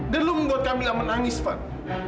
dan lo membuat camilla menangis van